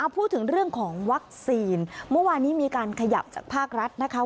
พูดถึงเรื่องของวัคซีนเมื่อวานนี้มีการขยับจากภาครัฐนะคะ